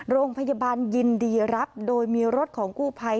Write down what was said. โรงพยาบาลยินดีรับโดยมีรถของกู้ภัย